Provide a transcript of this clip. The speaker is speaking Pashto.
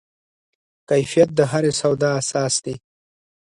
کیفیت د هرې سودا اساس دی.